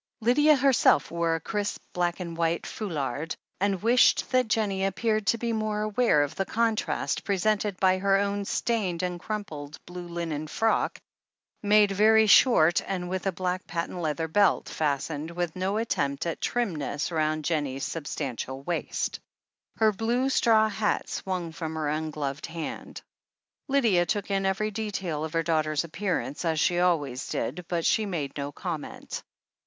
Lydia herself wore a crisp black and white foulard, and wished that Jennie appeared to be more aware of the contrast presented by her own stained and crumpled blue linen frock, made very short, and with a black patent leather belt, fastened with no attempt at trim ness, round Jennie's substantial waist. Her blue straw hat swung from her ungloved hand. Lydia took in every detail of her daughter's appear ance, as she always did, but she made no comment.